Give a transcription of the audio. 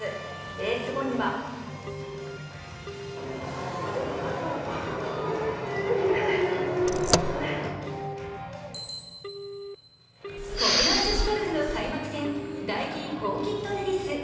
レース後には国内女子ゴルフの開幕戦ダイキンオーキッドレディス。